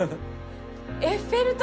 エッフェル塔！